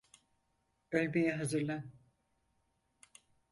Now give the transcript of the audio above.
Ölmeye hazırlan!